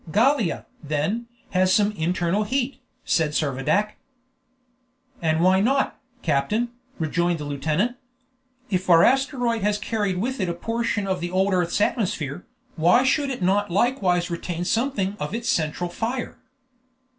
"Gallia, then, has some internal heat," said Servadac. "And why not, captain?" rejoined the lieutenant. "If our asteroid has carried with it a portion of the old earth's atmosphere, why should it not likewise retain something of its central fire?"